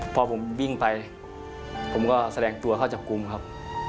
พอผมวิ่งไปผมก็แสดงตัวเข้าจับกลุ่มครับ